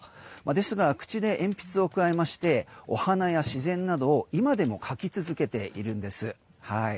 ですが、口で鉛筆をくわえましてお花や自然などを今でも描き続けているんです。